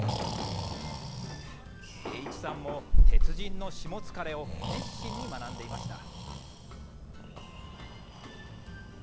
栄一さんも鉄人のしもつかれを熱心に学んでいました。